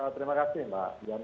terima kasih mbak diana